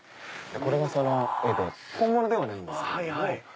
これがその絵で本物ではないんですけれども。